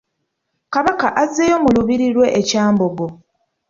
Kabaka azzeeyo mu lubiiri lwe e Kyambogo.